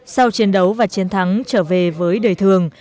sau chiến đấu và chiến thắng trở về với đời thường